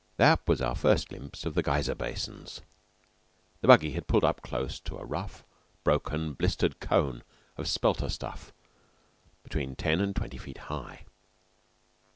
That was our first glimpse of the geyser basins. The buggy had pulled up close to a rough, broken, blistered cone of spelter stuff between ten and twenty feet high.